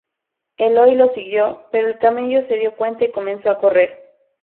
Eloy lo siguió, pero el camello se dio cuenta y comenzó a correr.